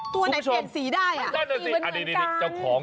ตัวไหนเปลี่ยนสีได้อ่ะมันก็มีเหมือนกัน